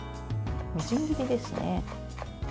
みじん切りですね。